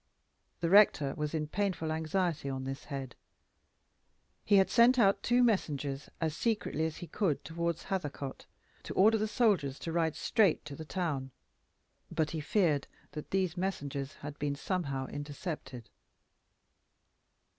The rector was in painful anxiety on this head; he had sent out two messengers as secretly as he could toward Hathercote, to order the soldiers to ride straight to the town; but he feared that these messengers had been somehow intercepted.